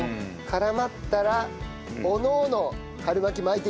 絡まったらおのおの春巻き巻いていきましょう。